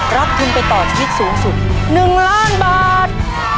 รับทุนไปต่อชีวิตสูงสุด๑ล้านบาท